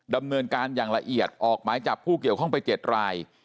ดำเนินการอย่างละเอียดออกหมายจับผู้เกี่ยวข้องไป๗ราย